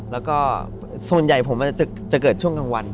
แล้วก็ส่วนใหญ่ผมจะเกิดช่วงกลางวัน